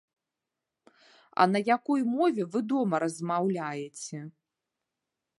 А на якой мове вы дома размаўляеце.